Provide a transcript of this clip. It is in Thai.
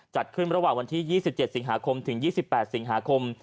จัดขึ้นระหว่างวันที่ยี่สิบเจ็ดสิงหาคมถึงยี่สิบแปดสิงหาคม